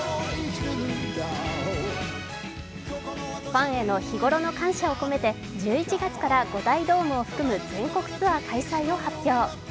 ファンヘの日頃の感謝を込めて１１月から５大ドームを含む全国ツアー開催を発表。